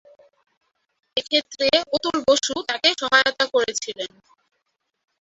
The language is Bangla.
এক্ষেত্রে অতুল বসু তাকে সহায়তা করেছিলেন।